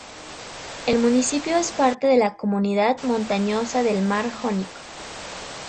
El municipio es parte de la Comunidad montañosa del Mar Jónico.